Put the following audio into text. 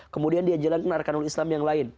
kemudian dia jalankan arkanun islam yang lain